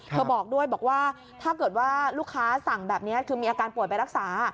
บอกด้วยบอกว่าถ้าเกิดว่าลูกค้าสั่งแบบนี้คือมีอาการป่วยไปรักษา